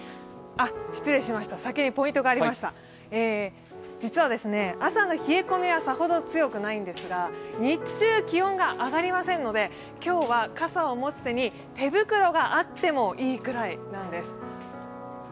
ポイントですが、朝の冷え込みはさほど強くないんですが日中、気温が上がりませんので今日は傘を持つ手に手袋があってもいいくらいなんです。